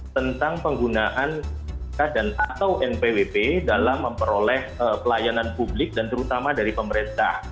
tentang penggunaan atau npwp dalam memperoleh pelayanan publik dan terutama dari pemerintah